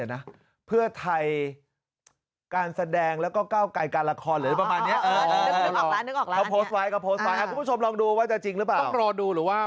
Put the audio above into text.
นึกออกแล้ว